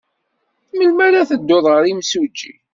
Melmi ara teddud ɣer yimsujji?